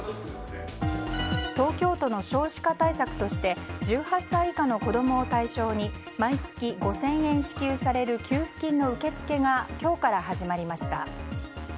東京都の少子化対策として１８歳以下の子供を対象に毎月５０００円支給される給付金の受け付けが今日から始まりました。